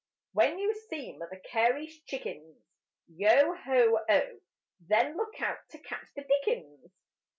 When you see Mother Carey's chickens, Yo ho oh! Then look out to catch the dickens!